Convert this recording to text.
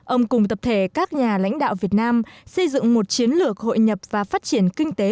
ông cùng tập thể các nhà lãnh đạo việt nam xây dựng một chiến lược hội nhập và phát triển kinh tế